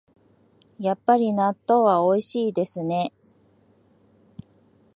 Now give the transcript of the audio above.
やっぱり納豆はおいしいですね